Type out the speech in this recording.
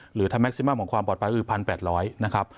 หรือถ้าแม็กซิมัมของความปลอดภัยก็คือ๑๘๐๐นะครับ